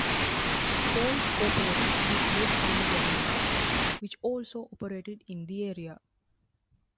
Poles cooperated with Red Army guerillas, which also operated in the area.